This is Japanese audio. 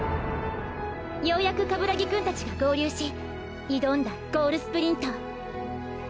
ようやく鏑木くんたちが合流し挑んだゴールスプリント。